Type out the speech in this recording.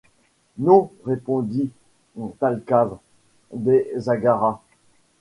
Non, répondit Thalcave, des « aguaras.